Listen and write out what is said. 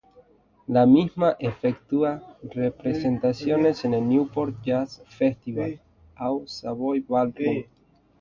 La misma efectúa representaciones en el "Newport Jazz Festival", au "Savoy Ballroom.